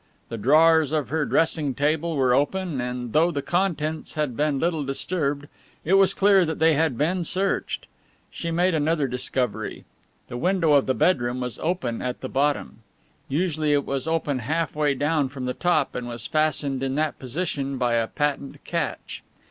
The drawers of her dressing table were open, and though the contents had been little disturbed, it was clear that they had been searched. She made another discovery. The window of the bedroom was open at the bottom. Usually it was open half way down from the top, and was fastened in that position by a patent catch.